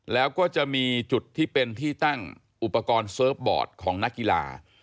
แล้วก็จะมีจุดที่เป็นที่ตั้งอุปกรณ์เซิร์ฟบอร์ดของนักกีฬา